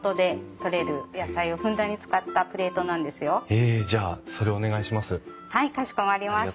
へえじゃあそれお願いします。